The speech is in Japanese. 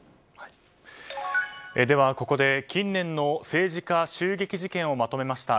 では、ここで近年の政治家襲撃事件をまとめました。